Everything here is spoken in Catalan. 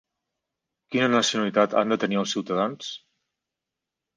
Quina nacionalitat han de tenir els ciutadans?